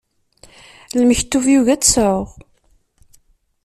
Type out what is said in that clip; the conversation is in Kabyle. Lmektub yugi ad tt-sɛuɣ.